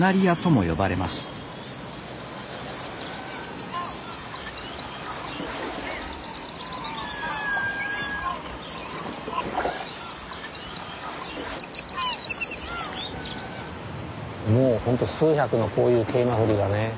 もうほんと数百のこういうケイマフリがね